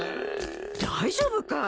大丈夫かい？